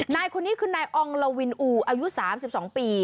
นายคนนี้คือนายอองลวินอูอายุ๓๒ปี